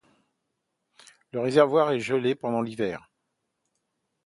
Le réservoir est gelé pendant l'hiver.